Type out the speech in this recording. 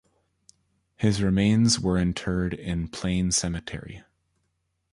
His remains were interred in Plain Cemetery.